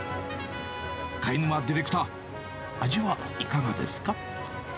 貝沼ディレクター、味は、いかがですか。